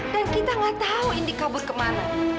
dan kita nggak tahu indi kabur kemana